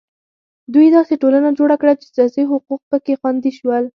دوی داسې ټولنه جوړه کړه چې سیاسي حقوق په کې خوندي شول.